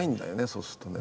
そうするとね。